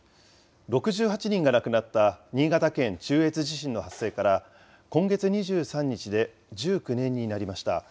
６８人が亡くなった、新潟県中越地震の発生から、今月２３日で１９年になりました。